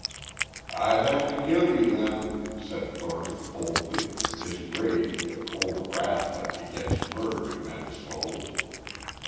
"I'd have killed you then," said Thornton coldly, his rage the cold wrath that begets murder in men's souls.